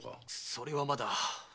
それはまだ。